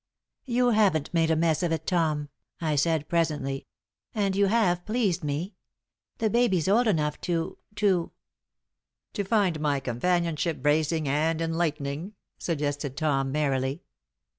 "You haven't made a mess of it, Tom," I said, presently, "and you have pleased me. The baby's old enough to to " "To find my companionship bracing and enlightening?" suggested Tom, merrily.